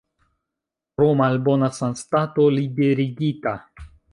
Pro malbona sanstato liberigita.